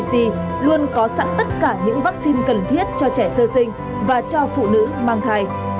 vnvc luôn có sẵn tất cả những vắc xin cần thiết cho trẻ sơ sinh và cho phụ nữ mang thai